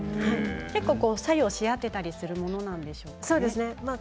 結構、作用し合っているものなんでしょうか。